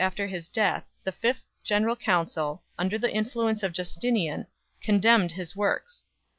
221 after his death the fifth General Council, under the influ CHAP. X. ence of Justinian, condemned his works.